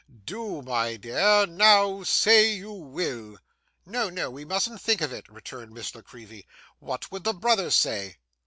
'Do, my dear! Now say you will.' 'No, no, we mustn't think of it,' returned Miss La Creevy. 'What would the brothers say?